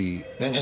何？